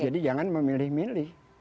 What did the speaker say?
jadi jangan memilih milih